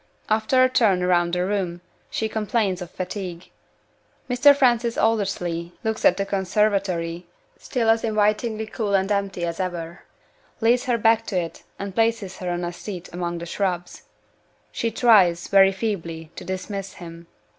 After a turn round the room, she complains of fatigue. Mr. Francis Aldersley looks at the conservatory (still as invitingly cool and empty as ever); leads her back to it; and places her on a seat among the shrubs. She tries very feebly to dismiss him.